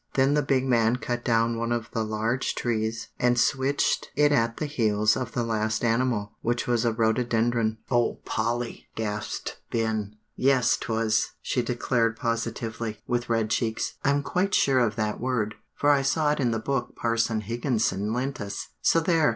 Then the big man cut down one of the large trees and switched it at the heels of the last animal, which was a rhododendron." "O Polly!" gasped Ben. "Yes 'twas," she declared positively, with red cheeks, "I'm quite sure of that word, for I saw it in the book Parson Higginson lent us; so there!